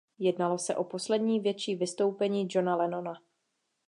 Jednalo se o poslední větší vystoupení Johna Lennona.